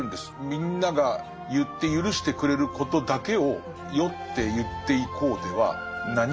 みんなが言って許してくれることだけを選って言っていこうでは何も響かない。